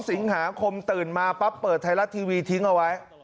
สิงหาคมตื่นมาปั๊บเปิดไทยรัฐทีวีทิ้งเอาไว้